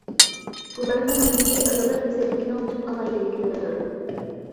بۇلارنىڭ ھەممىسى ئاياللار گۈزەللىكىنىڭ تۈپ ئالاھىدىلىكلىرىدۇر.